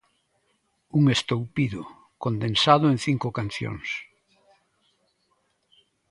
Un estoupido, condensado en cinco cancións.